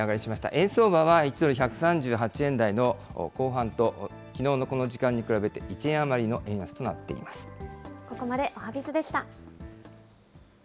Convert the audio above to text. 円相場は１ドル１３８円台の後半と、きのうのこの時間に比べて１ここまでおはＢｉｚでした。